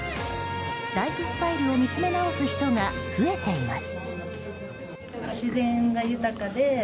ライフスタイルを見つめ直す人が増えています。